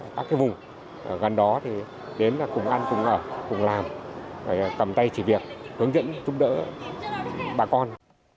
các cái vùng gần đó thì đến là cùng ăn cùng ở cùng làm cầm tay chỉ việc hướng dẫn giúp đỡ bà con